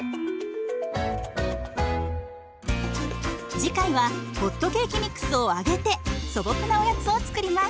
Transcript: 次回はホットケーキミックスを揚げて素朴なおやつを作ります。